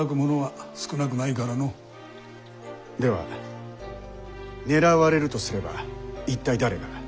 では狙われるとすれば一体誰が？